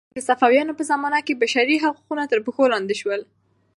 د صفویانو په زمانه کې بشري حقونه تر پښو لاندې ول.